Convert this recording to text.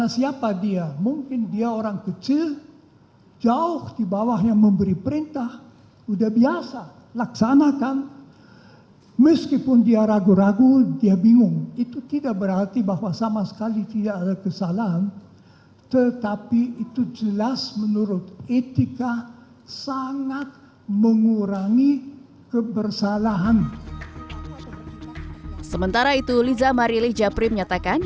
sementara itu lisa marielle japri menyatakan